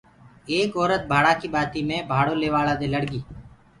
ايڪ اورت ڀاڙآ ڪي ٻآتي مي ڀآڙو ليوآݪآ دي لڙگي